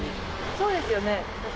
そうですよね。